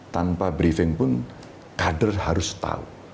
tanpa briefing pun kader harus tahu